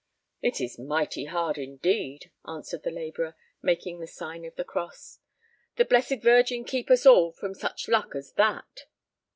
"It is mighty hard, indeed!" answered the labourer, making the sign of the cross. "The Blessed Virgin keep us all from such luck as that!"